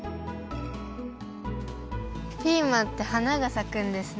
ピーマンってはながさくんですね。